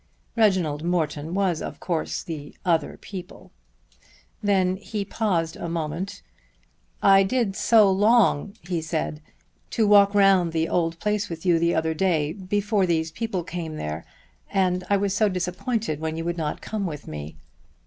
Reginald Morton was of course the "other people." Then he paused a moment. "I did so long," he said, "to walk round the old place with you the other day before these people came there, and I was so disappointed when you would not come with me."